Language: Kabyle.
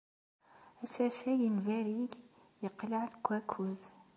Asafag n Varig yeqleɛ deg wakud.